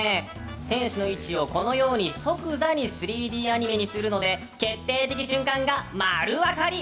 選手の位置を即座に３Ｄアニメにするので決定的瞬間が丸分かり。